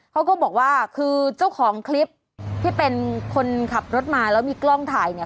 เขาก็บอกว่าคือเจ้าของคลิปที่เป็นคนขับรถมาแล้วมีกล้องถ่ายเนี่ย